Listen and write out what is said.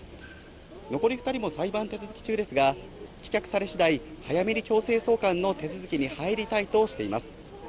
残り２人も裁判手続き中ですが、棄却されしだい、早めに強制送還の手続きに入りたいとしています。